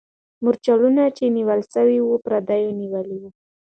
مرچلونه چې نیول سوي وو، پردیو نیولي وو.